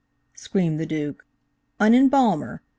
screamed the Duke. "An embalmer.